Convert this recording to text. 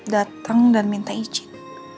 datang dan minta izin